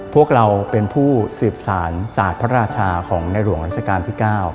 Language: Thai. พวกเราเป็นผู้สืบสารศาสตร์พระราชาของในหลวงราชการที่๙